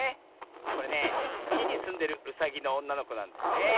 これねつきにすんでるうさぎのおんなのこなんだよねえ。